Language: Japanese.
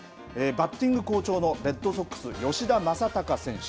バッティング好調のレッドソックス、吉田正尚選手。